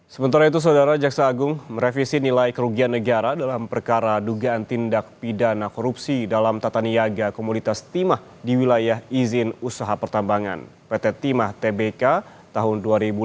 sementara itu saudara jaksa agung merevisi nilai kerugian negara dalam perkara dugaan tindak pidana korupsi dalam tata niaga komoditas timah di wilayah izin usaha pertambangan pt timah tbk tahun dua ribu enam belas